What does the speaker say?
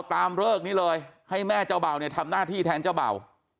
กลับตามเลิกนี้เลยให้แม่เจ้าเบ่าทำหน้าที่แทนเจ้าเบ่า